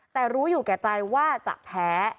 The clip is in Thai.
แต่รู้อยู่แก่ใจว่าจะแพ้